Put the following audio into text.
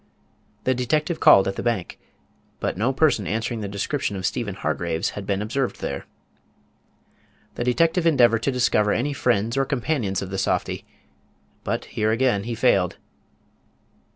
The detective called at the bank; but no person answering the description of Stephen Hargraves had been observed there. The detective endeavored to discover any friends or companions of the softy; but here again he failed.